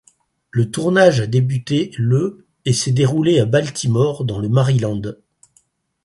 Le tournage a débuté le et s'est déroulé à Baltimore, dans le Maryland.